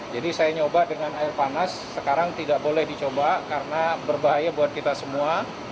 jadi saya nyoba dengan air panas sekarang tidak boleh dicoba karena berbahaya buat kita semua